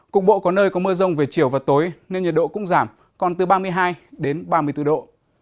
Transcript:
cục bộ có nơi có mưa rông về chiều và tối nên nhiệt độ cũng giảm còn từ ba mươi hai đến ba mươi bốn độ